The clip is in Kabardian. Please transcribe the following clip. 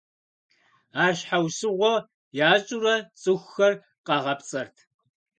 Ар щхьэусыгъуэ ящӏурэ цӏыхухэр къагъапцӏэрт.